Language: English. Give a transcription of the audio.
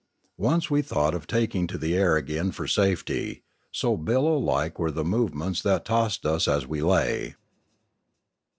Once we thought of taking to the air again for safety, so billow like were the movements that tossed us as we lay.